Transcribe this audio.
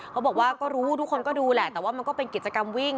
เขาบอกว่าก็รู้ทุกคนก็ดูแหละแต่ว่ามันก็เป็นกิจกรรมวิ่ง